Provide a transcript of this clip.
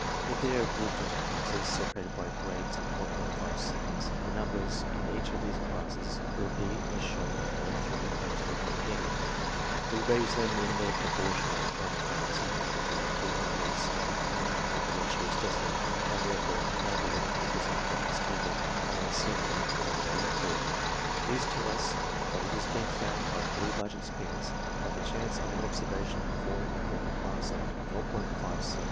If they are grouped into classes separated by grades of 0'5 sec. the numbers in each of these classes will be as shown in Column III. page 365. We raise them in the proportion of 1,000 to 487 in order to make the ratios decimal, and therefore comparable with the figures in Quetelet's table, and then insert them in Column IV. These tell us that it has been found by a pretty large experience, that the chance of an observation falling within the class of 0*5 sec.